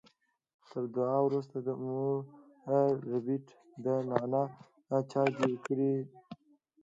تر دعا وروسته مور ربیټ د نعنا چای جوړ کړ